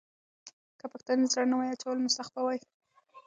که پښتانه زړه نه وای اچولی، نو سخت به وای ځپل سوي.